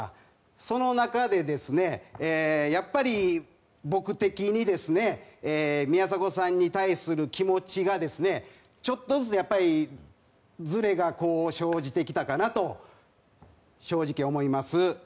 その中で、やっぱり僕的にですね、宮迫さんに対する気持ちがですね、ちょっとずつやっぱり、ずれがこう生じてきたかなと、正直思います。